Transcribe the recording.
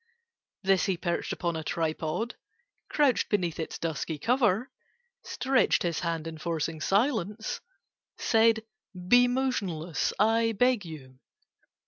[Picture: The camera] This he perched upon a tripod— Crouched beneath its dusky cover— Stretched his hand, enforcing silence— Said, "Be motionless, I beg you!"